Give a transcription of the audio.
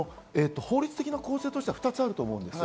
法律的な構成としては２つあります。